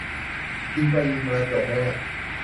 ยิงไปยิงมาจบแล้วง่ะ